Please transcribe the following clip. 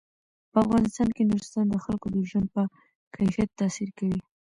په افغانستان کې نورستان د خلکو د ژوند په کیفیت تاثیر کوي.